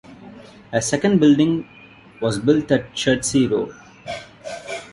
A second building was built at Chertsey Road.